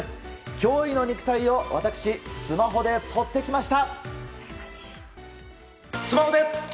驚異の肉体を私、スマホで撮ってきました！